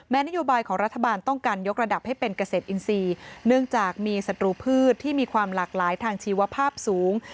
นโยบายของรัฐบาลต้องการยกระดับให้เป็นเกษตรอินทรีย์เนื่องจากมีศัตรูพืชที่มีความหลากหลายทางชีวภาพสูง